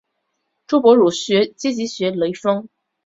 朱伯儒积极学雷锋。